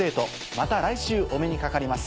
また来週お目にかかります。